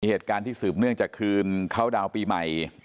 เหตุการณ์ที่สืบเนื่องจากคืนเข้าดาวน์ปีใหม่